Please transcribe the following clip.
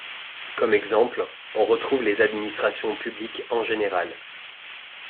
Comme exemples on retrouve les administrations publiques en général.